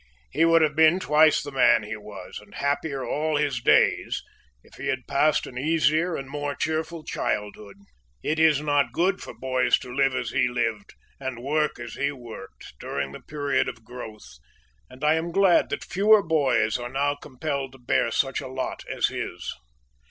He would have been twice the man he was, and happier all his days, if he had passed an easier and a more cheerful childhood. It is not good for boys to live as he lived, and work as he worked, during the period of growth, and I am glad that fewer boys are now compelled to bear such a lot as his.